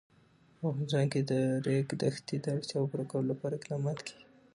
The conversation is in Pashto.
په افغانستان کې د د ریګ دښتې د اړتیاوو پوره کولو لپاره اقدامات کېږي.